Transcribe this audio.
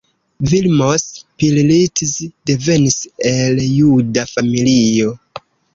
Vilmos Pillitz devenis el juda familio.